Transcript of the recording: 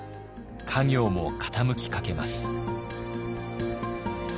家業も傾きかけます。